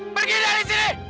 pergi dari sini